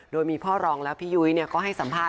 โดยมีพ่อรองและพี่ยุ้ยก็ให้สัมภาษ